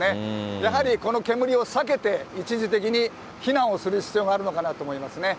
やはりこの煙を避けて、一時的に避難をする必要があるのかなと思いますね。